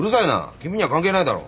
君には関係ないだろ。